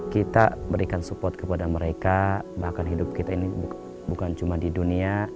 kita berikan support kepada mereka bahkan hidup kita ini bukan cuma di dunia